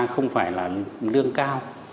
không phải là lương cao